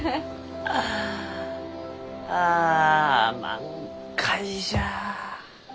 ああ満開じゃ。